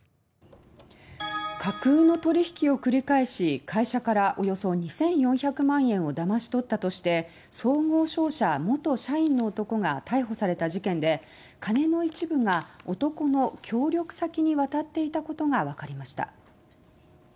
架空の取引を繰り返し会社からおよそ２４００万円をだまし取ったとして総合商社元社員の男が逮捕された事件で金の一部が男の協力先に渡っていたことがわかりました。